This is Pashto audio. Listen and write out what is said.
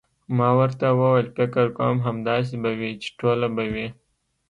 ما ورته وویل: فکر کوم، همداسې به وي، چې ټوله به وي.